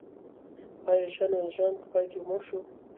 آیا ژان والژان په پای کې مړ شو؟